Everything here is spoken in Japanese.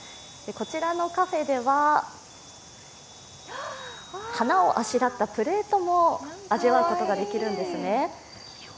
こちらのカフェでは、花をあしらったプレートも味わうことができるんですね。